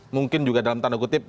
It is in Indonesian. mungkin juga dalam tanda kutip